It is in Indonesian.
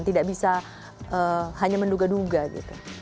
tidak bisa hanya menduga duga gitu